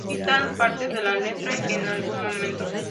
Citan partes de la letra en algún momento.